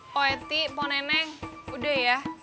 poeti poneneng udah ya